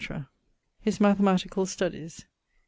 <_His mathematical studies.